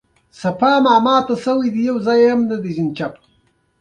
د زمریانو لښکر ته ماتې ورکولای شي.